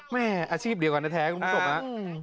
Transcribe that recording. แม่อาชีพเดียวกันแท้คุณผู้ชมฮะ